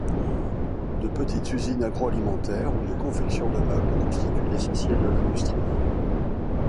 De petites usines agroalimentaires ou de confection de meubles constituent l'essentiel de l'industrie.